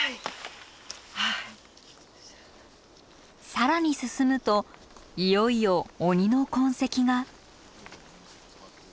更に進むといよいよ鬼の痕跡が。